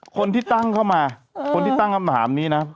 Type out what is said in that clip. คนที่ตั้งเข้ามาคนที่ตั้งคำถามนี้นะ